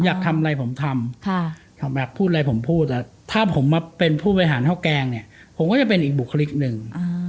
อยากทำอะไรผมทำแบบพูดอะไรผมพูดถ้าผมมาเป็นผู้บริหารข้าวแกงเนี่ยผมก็จะเป็นอีกบุคลิกหนึ่ง